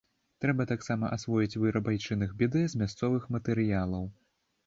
Трэба таксама асвоіць выраб айчынных бідэ з мясцовых матэрыялаў!